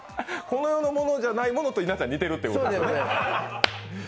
この世のものじゃないものと稲ちゃんが似てるってことね。